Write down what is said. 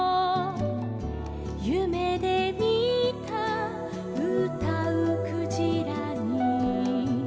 「ゆめでみたうたうクジラに」